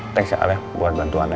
thanks ya al ya buat bantuan ya